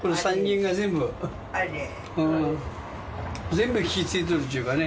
全部引き継いどるっちゅうかね。